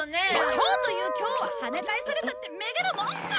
今日という今日は跳ね返されたってめげるもんか！